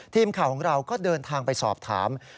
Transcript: ทีมข่าวของเราก็เดินทางไปสอบถาม